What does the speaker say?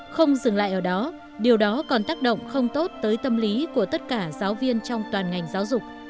không dừng lại ở đó điều đó còn tác động không tốt tới tâm lý của tất cả giáo viên trong toàn ngành giáo dục